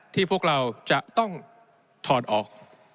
พวกเราจะต้องถอดออก